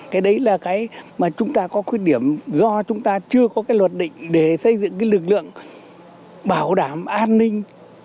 cái đấy là cái mà chúng ta có khuyết điểm do chúng ta chưa có cái luật định để xây dựng cái lực lượng bảo đảm an ninh